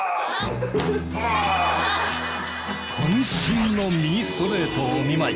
渾身の右ストレートをお見舞い。